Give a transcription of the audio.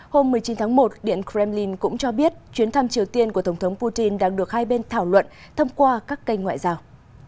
hôm một mươi chín tháng một điện kremlin cũng cho biết chuyến thăm triều tiên của tổng thống putin đang được hai bên thảo luận thông qua các kênh ngoại giao